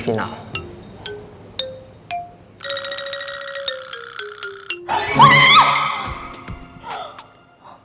aku mau pergi ke rumah